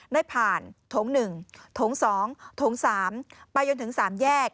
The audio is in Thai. ได้ผ่านโถง๑โถง๒โถง๓ไปจนถึง๓แยก